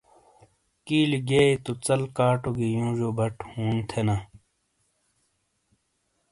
کیلیئے گیئے تو ژل کاٹو گی یونجیو بٹ ہُون تھینا۔